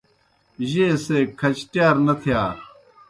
جیئے سے گہ کھچٹِیار نہ تِھیا۔